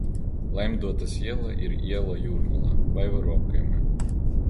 Laimdotas iela ir iela Jūrmalā, Vaivaru apkaimē.